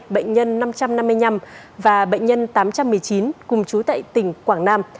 bệnh nhân năm trăm năm mươi năm và bệnh nhân tám trăm một mươi chín cùng chú tại tỉnh quảng nam